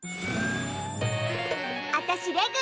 あたしレグ！